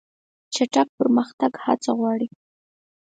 چټک پرمختګ هڅه غواړي.